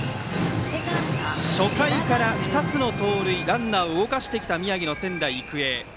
初回から２つの盗塁ランナーを動かしてきた宮城の仙台育英。